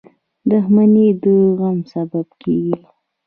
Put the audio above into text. • دښمني د غم سبب کېږي.